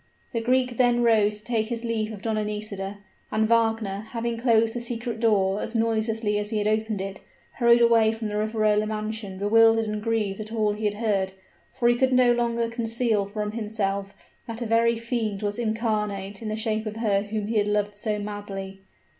The Greek then rose to take his leave of Donna Nisida; and Wagner, having closed the secret door as noiselessly as he had opened it, hurried away from the Riverola mansion bewildered and grieved at all he had heard for he could no longer conceal from himself that a very fiend was incarnate in the shape of her whom he had loved so madly.